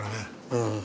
うん。